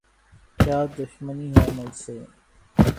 کیا دشمنی ہے مجھ سے؟